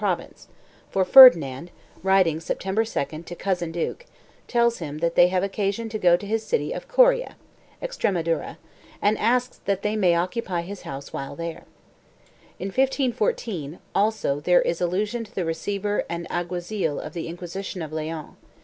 TRIBUNALS 549 nand, writing September 2nd to " Cousin Duke" tells him that they have occasion to go to his city of Coria (Extremadura) and asks that they may occupy his house while there. In 1514, also there is allusion to the receiver and alguazil of the Inquisition of Leon.